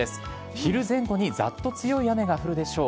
昼前後にざっと強い雨が降るでしょう。